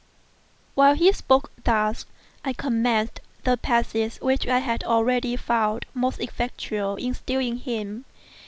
While he spoke thus, I commenced the passes which I had already found most effectual in subduing him.